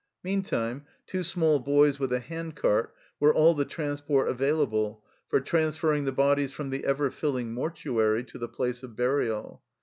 Meantime, two small boys with a hand cart were all the transport available for transferring the bodies from the ever filling mortuary to the place of burial.